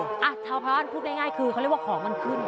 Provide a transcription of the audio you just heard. อ่ะชาวบ้านพูดง่ายคือเขาเรียกว่าของมันขึ้น